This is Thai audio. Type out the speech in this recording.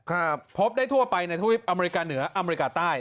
พบได้ทั่วไปในทวิปอเมริกาเหนืออเมริกาใต้